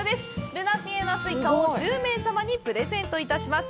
ルナピエナスイカを１０名様にプレゼントいたします。